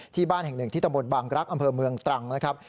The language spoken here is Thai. ที่บ้านแห่งหนึ่งที่ตำบลบางรักษ์อำเภอเมืองตรังนะครับ